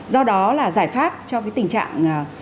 do đó là giải pháp cho cái tình trạng